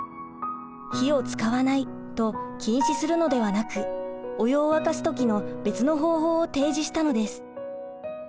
「火を使わない」と禁止するのではなくお湯を沸かす時の別の方法を提示したのです。